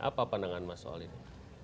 apa pandangan mas soal ini